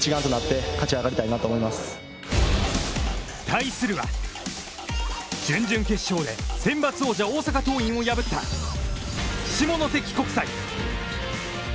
対するは、準々決勝でセンバツ王者・大阪桐蔭を破った下関国際。